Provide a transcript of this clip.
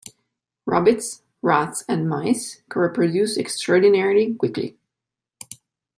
Rabbits, rats and mice can reproduce extraordinarily quickly.